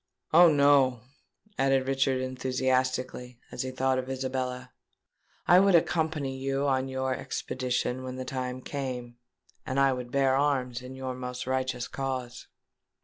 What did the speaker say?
Oh! no," added Richard, enthusiastically, as he thought of Isabella, "I would accompany you on your expedition when the time came, and I would bear arms in your most righteous cause."